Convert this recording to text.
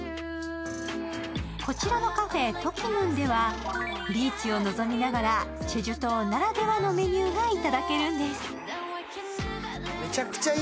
こらちのカフェ、ｔｏｋｉｍｏｏｎではビーチを望みながらチェジュ島ならではのメニューがいただけるんです。